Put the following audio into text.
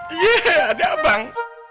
iya adik abang